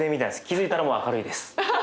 気付いたらもう明るいです。